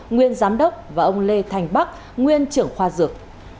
nguyên giám đốc và ông lê thành bắc nguyên trưởng khoa dược